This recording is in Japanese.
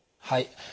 はい。